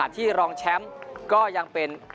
ที่รองแชมป์ก็ยังเป็น